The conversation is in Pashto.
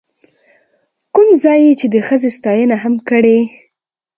کوم ځاى يې چې د ښځې ستاينه هم کړې،،